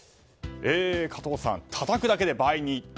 加藤さん、たたくだけで倍に。